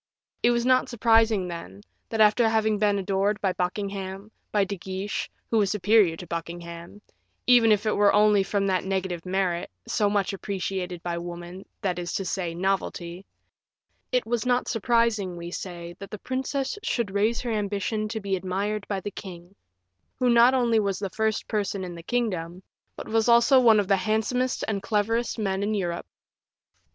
It was not surprising, then, that, after having been adored by Buckingham, by De Guiche, who was superior to Buckingham, even if it were only from that negative merit, so much appreciated by women, that is to say, novelty it was not surprising, we say, that the princess should raise her ambition to being admired by the king, who not only was the first person in the kingdom, but was one of the handsomest and cleverest men in Europe.